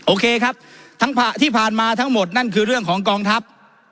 โอเคครับทั้งที่ผ่านมาทั้งหมดนั่นคือเรื่องของกองทัพ